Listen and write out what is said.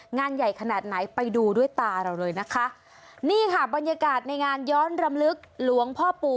งานใหญ่ขนาดไหนไปดูด้วยตาเราเลยนะคะนี่ค่ะบรรยากาศในงานย้อนรำลึกหลวงพ่อปู่